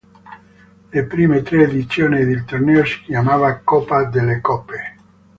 Le prime tre edizioni il torneo si chiamava Coppa delle Coppe.